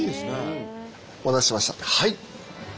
はい！